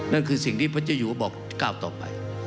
นั่นคือสิ่งที่ปัจจุยัวบอกก้าวต่อไป